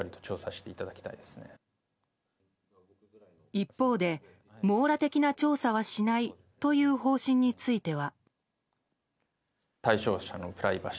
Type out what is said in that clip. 一方で、網羅的な調査はしないという方針については。